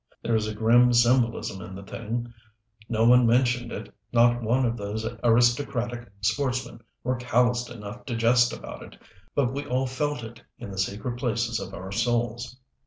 There was a grim symbolism in the thing. No one mentioned it, not one of those aristocratic sportsmen were calloused enough to jest about it, but we all felt it in the secret places of our souls.